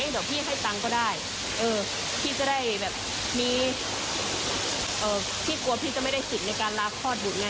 จะได้แบบมีเอ่อพี่กลัวพี่จะไม่ได้สิทธิ์ในการลากคลอดบุตรไง